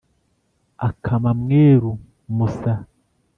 akama mweru musa,